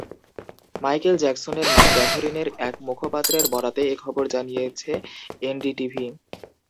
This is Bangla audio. মাইকেল জ্যাকসনের মা ক্যাথরিনের এক মুখপাত্রের বরাতে এ খবর জানিয়েছে এনডিটিভি।